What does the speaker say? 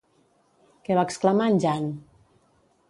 Què va exclamar en Jan?